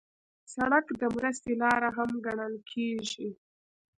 سړک د مرستې لاره هم ګڼل کېږي.